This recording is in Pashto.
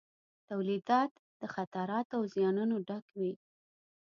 تولیدات د خطراتو او زیانونو ډک وي.